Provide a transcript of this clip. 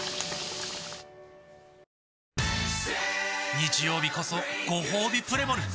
日曜日こそごほうびプレモル！